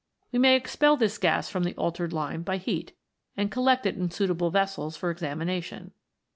We may expel this gas from the altered lime by heat, and collect it in suitable vessels for examina tion.